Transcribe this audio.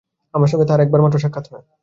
আমার সঙ্গে তাঁহার একবার মাত্র সাক্ষাৎ হয়।